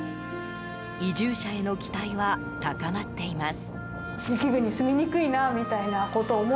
移住者への期待は高まっています。